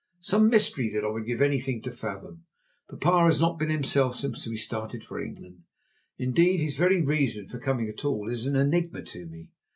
Some mystery that I would give anything to fathom. Papa has not been himself ever since we started for England. Indeed, his very reason for coming at all is an enigma to me.